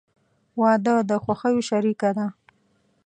• واده د خوښیو شریکه ده.